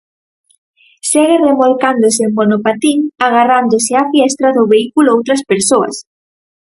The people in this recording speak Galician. Segue remolcándose en monopatín agarrándose á fiestra do vehículo outras persoas.